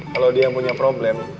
kalau dia punya problem